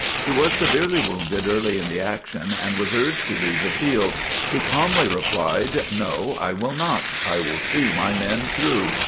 He was severely wounded early in the action and was urged to leave the field. He calmly replied: "No, I will not! I will see my men through!"